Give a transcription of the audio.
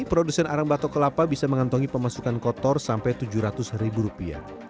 produsen arang batok kelapa bisa mengantongi pemasukan kotor sampai tujuh ratus ribu rupiah